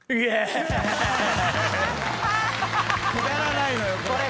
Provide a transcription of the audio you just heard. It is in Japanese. くだらないのよこれ。